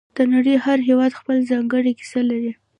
د نړۍ هر هېواد خپله ځانګړې کیسه لري